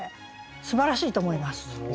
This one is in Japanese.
すばらしいと思います。